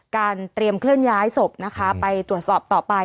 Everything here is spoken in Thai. เตรียมเคลื่อนย้ายศพนะคะไปตรวจสอบต่อไป